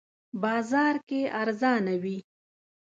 بازار کې ارزانه وی